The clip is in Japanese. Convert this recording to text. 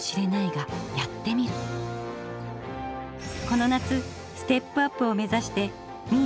この夏ステップアップを目指してみ